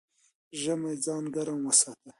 ژمی ځان ګرم وساته